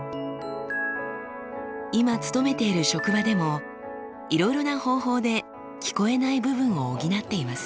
今勤めている職場でもいろいろな方法で聞こえない部分を補っています。